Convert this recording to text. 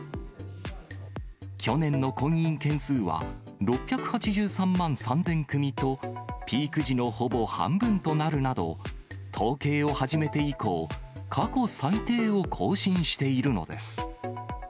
去年の婚姻件数は６８３万３０００組と、ピーク時のほぼ半分となるなど、統計を始めて以降、過去最低を更新しているのです。